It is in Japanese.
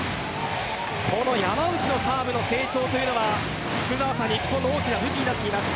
この山内のサーブの成長というのは日本の大きな武器になっています。